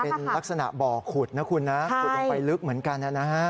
เป็นลักษณะบ่อขุดนะคุณนะขุดลงไปลึกเหมือนกันนะฮะ